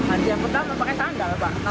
antrian pertama pakai sandal pak